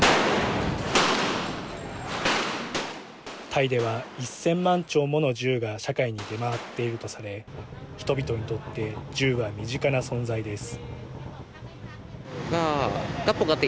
タイでは１０００万丁もの銃が社会に出回っているとされ人々にとって銃は身近な存在です。